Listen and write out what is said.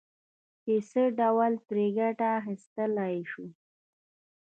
چې څه ډول ترې ګټه اخيستلای شو.